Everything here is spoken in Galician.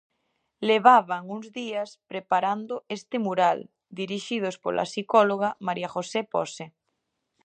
Levaban uns días preparando este mural, dirixidos pola psicóloga María José Pose.